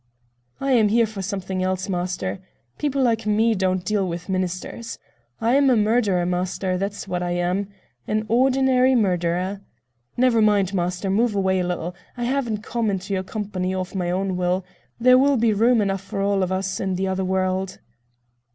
"I am here for something else, master. People like me don't deal with ministers. I am a murderer, master, that's what I am. An ordinary murderer. Never mind, master, move away a little, I haven't come into your company of my own will. There will be room enough for all of us in the other world."